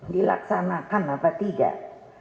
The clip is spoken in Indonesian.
dilaksanakan apa tidak